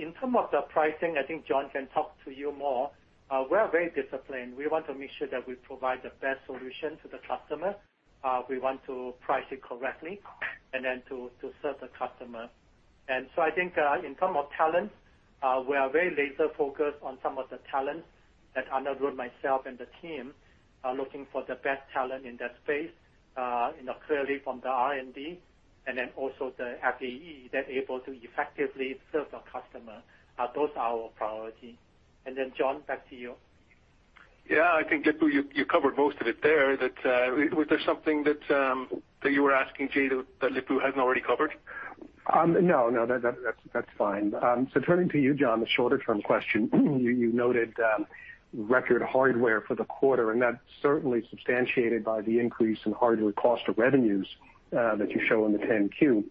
In term of the pricing, I think John can talk to you more. We are very disciplined. We want to make sure that we provide the best solution to the customer. We want to price it correctly and then to serve the customer. I think in terms of talent, we are very laser-focused on some of the talent that Anirudh, myself, and the team are looking for the best talent in that space. Clearly from the R&D and then also the FAE that are able to effectively serve our customer. Those are our priority. John, back to you. Yeah. I think, Lip-Bu, you covered most of it there. Was there something that you were asking Jay that Lip-Bu hasn't already covered? No, that's fine. Turning to you, John, the shorter-term question. You noted record hardware for the quarter, and that's certainly substantiated by the increase in hardware cost of revenues that you show in the 10-Q.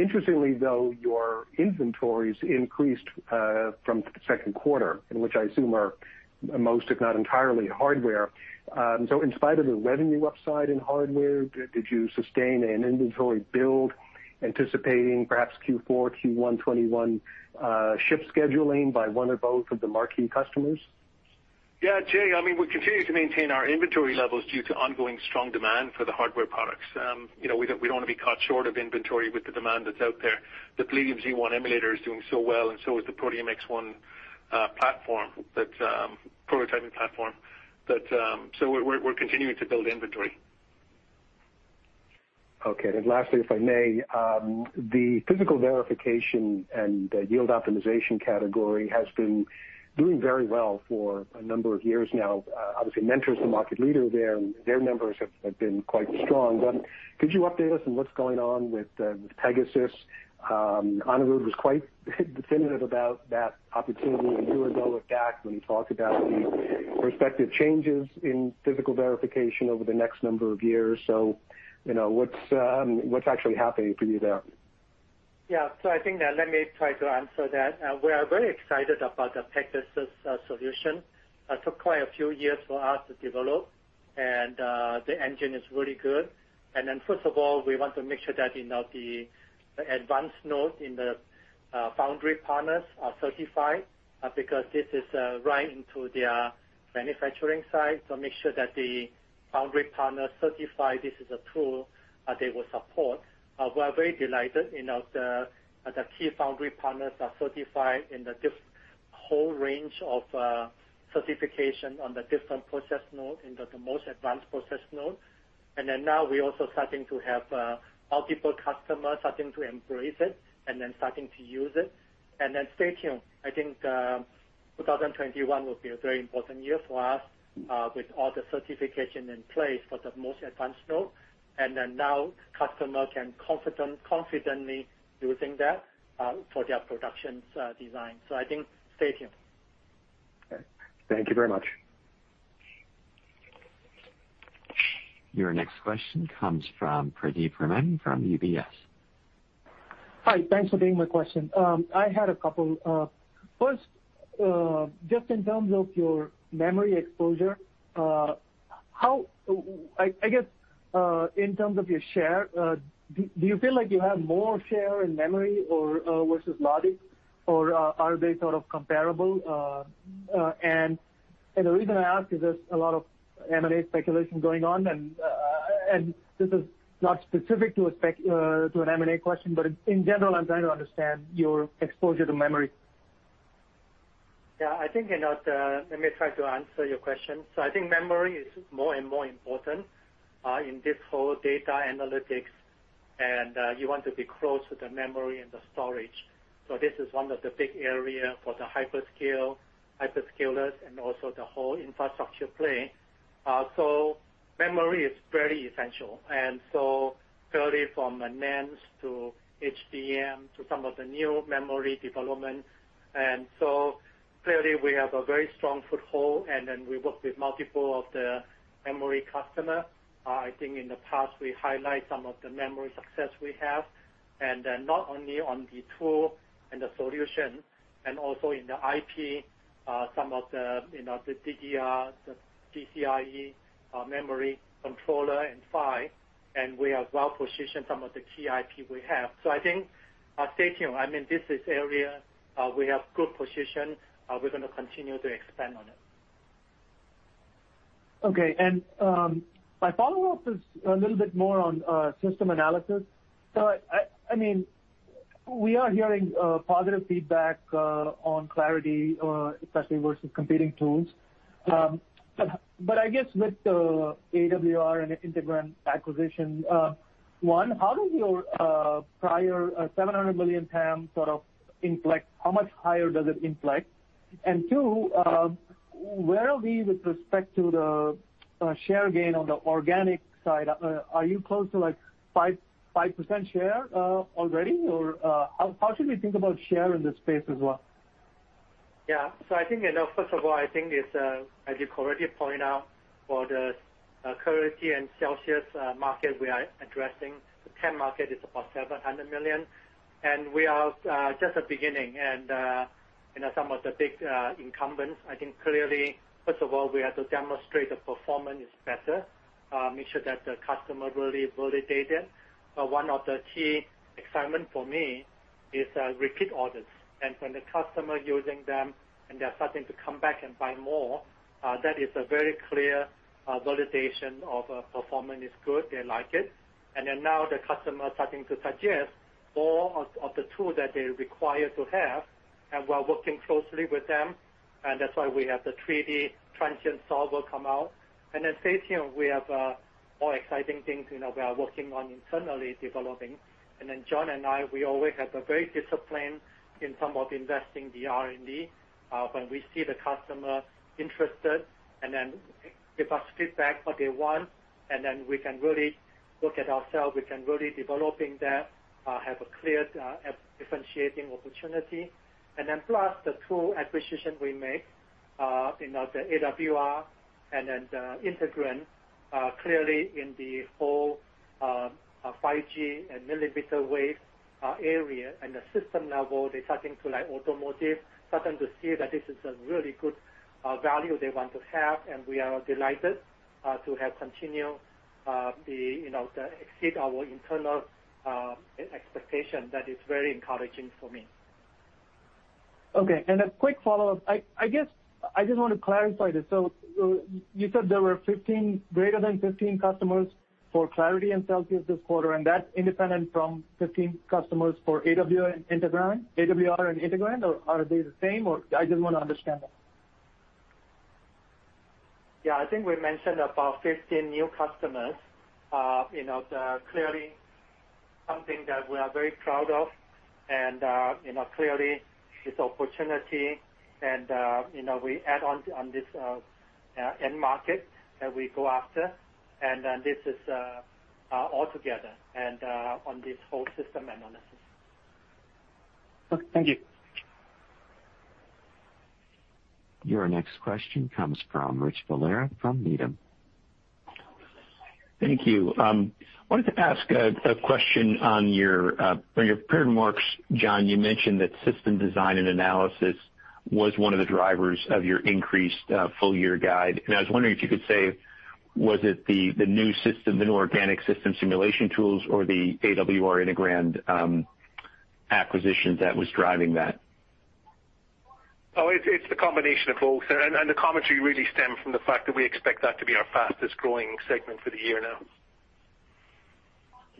Interestingly, though, your inventories increased from the second quarter, which I assume most, if not entirely, hardware. In spite of the revenue upside in hardware, did you sustain an inventory build anticipating perhaps Q4, Q1 2021 ship scheduling by one or both of the marquee customers? Yeah, Jay, we continue to maintain our inventory levels due to ongoing strong demand for the hardware products. We don't want to be caught short of inventory with the demand that's out there. The Palladium Z1 Emulator is doing so well, and so is the Protium X1 prototyping platform. We're continuing to build inventory. Okay. Lastly, if I may, the physical verification and yield optimization category has been doing very well for a number of years now. Obviously, Mentor is the market leader there, and their numbers have been quite strong. Could you update us on what's going on with Pegasus? Anirudh was quite definitive about that opportunity a year ago at DAC when he talked about the prospective changes in physical verification over the next number of years. What's actually happening for you there? Yeah. I think that, let me try to answer that. We are very excited about the Pegasus solution. It took quite a few years for us to develop, the engine is really good. First of all, we want to make sure that the advanced nodes in the foundry partners are certified, because this is right into their manufacturing side. Make sure that the foundry partners certify this is a tool that they will support. We are very delighted the key foundry partners are certified in the whole range of certifications on the different process node, in the most advanced process node. Now we also starting to have multiple customers starting to embrace it and then starting to use it. Stay tuned. I think 2021 will be a very important year for us with all the certifications in place for the most advanced node. Now customers can confidently using that for their production design. I think stay tuned. Okay. Thank you very much. Your next question comes from Pradeep Ramani from UBS. Hi. Thanks for taking my question. I had a couple. First, just in terms of your memory exposure, I guess in terms of your share, do you feel like you have more share in memory versus logic, or are they sort of comparable? The reason I ask is there's a lot of M&A speculation going on, and this is not specific to an M&A question, but in general, I'm trying to understand your exposure to memory. Yeah. Let me try to answer your question. I think memory is more and more important in this whole data analytics, and you want to be close to the memory and the storage. This is one of the big area for the hyperscalers and also the whole infrastructure play. Memory is very essential. Clearly from the NAND to HBM to some of the new memory development. Clearly, we have a very strong foothold, and then we work with multiple of the memory customer. I think in the past, we highlight some of the memory success we have, and then not only on the tool and the solution and also in the IP, some of the DDR, the PCIe memory controller and PHY, and we are well-positioned some of the key IP we have. I think stay tuned. This is area we have good position. We're going to continue to expand on it. Okay. My follow-up is a little bit more on system analysis. We are hearing positive feedback on Clarity, especially versus competing tools. I guess with the AWR and Integrand acquisition, one, how does your prior $700 million TAM sort of inflect? How much higher does it inflect? Two, where are we with respect to the share gain on the organic side? Are you close to 5% share already, or how should we think about share in this space as well? First of all, I think it's, as you correctly point out, for the Clarity and Celsius market we are addressing, the TAM market is about $700 million, we are just at beginning. Some of the big incumbents, I think, clearly, first of all, we have to demonstrate the performance is better, make sure that the customer really validate it. One of the key excitement for me is repeat orders. When the customer using them and they're starting to come back and buy more, that is a very clear validation of performance is good. They like it. Now the customer starting to suggest more of the tool that they require to have, and we're working closely with them. That's why we have the 3D Transient Solver come out. Stay tuned. We have more exciting things we are working on internally developing. John and I, we always have a very discipline in terms of investing the R&D. When we see the customer interested and then give us feedback what they want, and then we can really look at ourselves. We can really develop that, have a clear differentiating opportunity. Plus the tool acquisition we make, the AWR and then the Integrand, clearly in the whole 5G and millimeter wave area and the system level, they starting to like automotive, starting to see that this is a really good value they want to have, and we are delighted to have continued to exceed our internal expectation. That is very encouraging for me. Okay. A quick follow-up. I just want to clarify this. You said there were greater than 15 customers for Clarity and Celsius this quarter, and that's independent from 15 customers for AWR and Integrand? Are they the same? I just want to understand that. Yeah. I think we mentioned about 15 new customers. Clearly, something that we are very proud of and clearly it's opportunity and we add on this end market that we go after. This is all together and on this whole system analysis. Okay, thank you. Your next question comes from Rich Valera from Needham. Thank you. Wanted to ask a question on your prepared remarks, John, you mentioned that system design and analysis was one of the drivers of your increased full-year guide. I was wondering if you could say, was it the new system, the new organic system simulation tools, or the AWR Integrand acquisition that was driving that? Oh, it's the combination of both. The commentary really stemmed from the fact that we expect that to be our fastest-growing segment for the year now.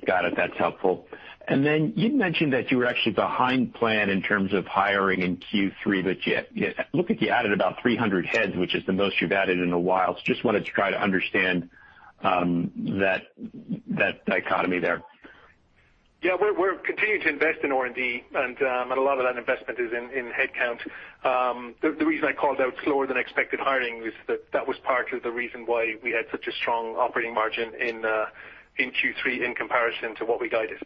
Got it. That's helpful. You mentioned that you were actually behind plan in terms of hiring in Q3, yet it looked like you added about 300 heads, which is the most you've added in a while. Just wanted to try to understand that dichotomy there. Yeah. We're continuing to invest in R&D, and a lot of that investment is in headcount. The reason I called out slower than expected hiring was that that was part of the reason why we had such a strong operating margin in Q3 in comparison to what we guided.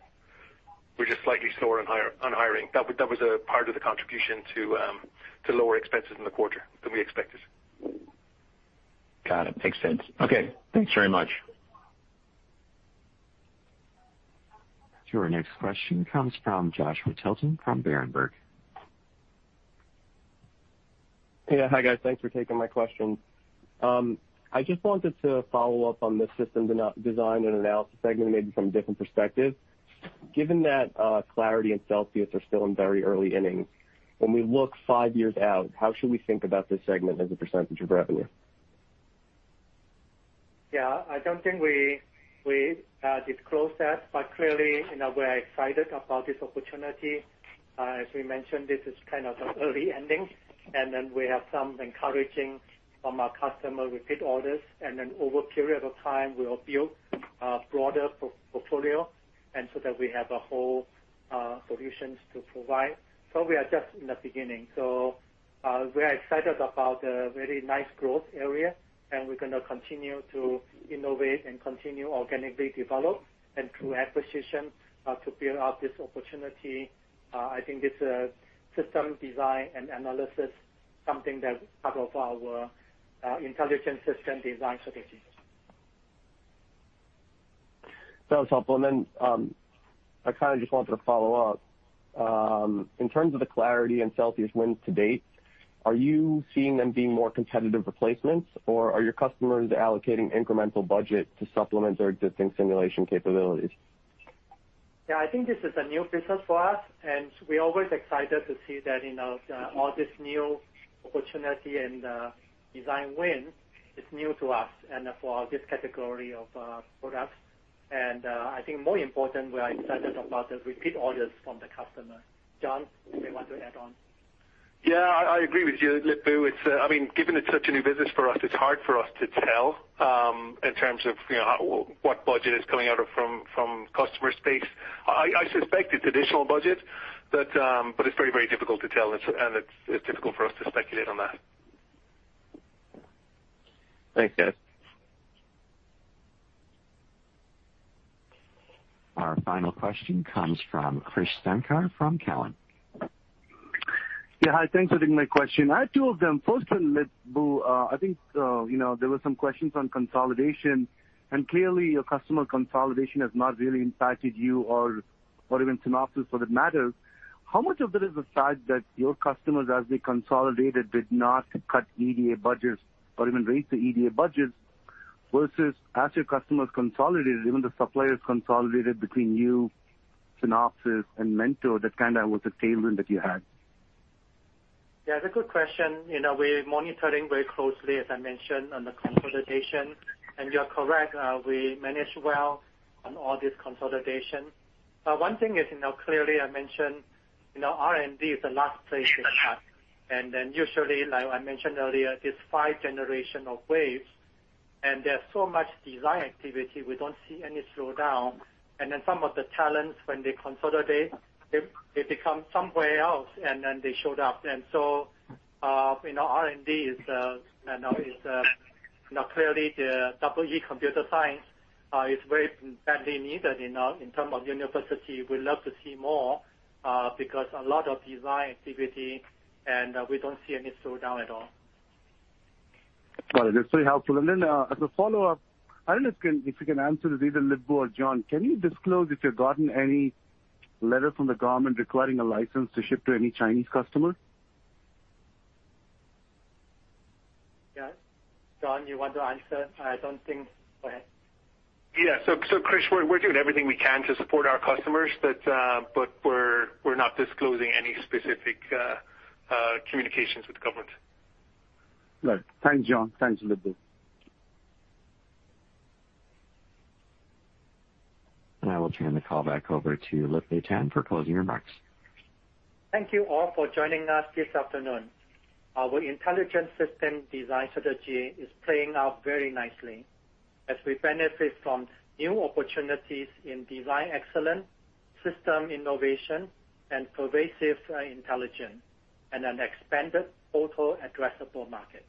We're just slightly slower on hiring. That was a part of the contribution to lower expenses in the quarter than we expected. Got it. Makes sense. Okay. Thanks very much. Your next question comes from Joshua Tilton from Berenberg. Yeah. Hi, guys. Thanks for taking my questions. I just wanted to follow up on the system design and analysis segment, maybe from a different perspective. Given that Clarity and Celsius are still in very early innings, when we look five years out, how should we think about this segment as a percentage of revenue? I don't think we disclosed that, but clearly, we're excited about this opportunity. As we mentioned, this is kind of the early innings, we have some encouraging from our customers' repeat orders. Over a period of time, we'll build a broader portfolio, we have a whole solutions to provide. We are just in the beginning. We are excited about a very nice growth area, and we're going to continue to innovate and continue organically develop and through acquisition, to build out this opportunity. I think this system design and analysis, something that's part of our Intelligent System Design strategy. Sounds helpful. I kind of just wanted to follow up. In terms of the Clarity and Celsius wins to date, are you seeing them being more competitive replacements, or are your customers allocating incremental budget to supplement their existing simulation capabilities? Yeah, I think this is a new business for us, and we're always excited to see that all this new opportunities and design win is new to us and for this category of products. I think more important, we are excited about the repeat orders from the customer. John, do you want to add on? Yeah. I agree with you, Lip-Bu. Given it's such a new business for us, it's hard for us to tell, in terms of what budget is coming out from customer space. I suspect it's additional budget, but it's very difficult to tell, and it's difficult for us to speculate on that. Thanks, guys. Our final question comes from Krish Sankar from Cowen. Yeah. Hi. Thanks for taking my question. I have two of them. First one, Lip-Bu, I think there were some questions on consolidation, and clearly your customer consolidation has not really impacted you or even Synopsys for that matter. How much of it is the fact that your customers, as they consolidated, did not cut EDA budgets or even raise the EDA budgets, versus as your customers consolidated, even the suppliers consolidated between you, Synopsys, and Mentor, that kind of was a tailwind that you had? Yeah, it's a good question. We are monitoring very closely, as I mentioned, on the consolidation. You are correct, we managed well on all this consolidation. One thing is, clearly I mentioned R&D is the last place to cut. Usually, like I mentioned earlier, it's five generation of waves, and there's so much design activity, we don't see any slowdown. Some of the talents, when they consolidate, they become somewhere else, and then they showed up. R&D is clearly the EE computer science, is very badly needed in terms of university. We love to see more, because a lot of design activity, and we don't see any slowdown at all. Got it. That's very helpful. As a follow-up, I don't know if you can answer this, either Lip-Bu or John. Can you disclose if you've gotten any letter from the government requiring a license to ship to any Chinese customer? John, you want to answer? I don't think. Go ahead. Yeah. Krish, we're doing everything we can to support our customers, but we're not disclosing any specific communications with the government. Right. Thanks, John. Thanks, Lip-Bu. I will turn the call back over to Lip-Bu Tan for closing remarks. Thank you all for joining us this afternoon. Our intelligent system design strategy is playing out very nicely as we benefit from new opportunities in design excellence, system innovation, and pervasive intelligence, and an expanded total addressable market.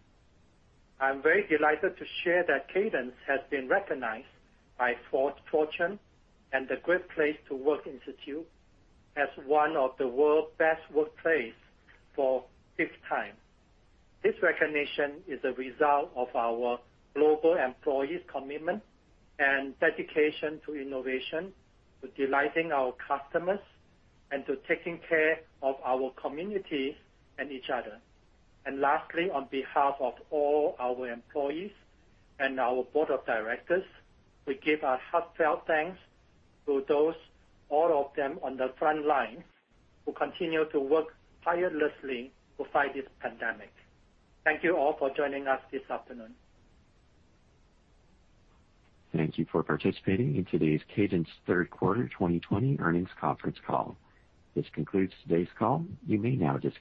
I'm very delighted to share that Cadence has been recognized by Fortune and the Great Place to Work Institute as one of the world's best workplaces for the fifth time. This recognition is a result of our global employees' commitment and dedication to innovation, to delighting our customers, and to taking care of our community and each other. Lastly, on behalf of all our employees and our board of directors, we give our heartfelt thanks to those, all of them on the front line, who continue to work tirelessly to fight this pandemic. Thank you all for joining us this afternoon. Thank you for participating in today's Cadence third quarter 2020 earnings conference call. This concludes today's call. You may now disconnect.